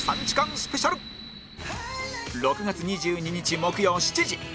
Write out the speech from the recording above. ６月２２日木曜７時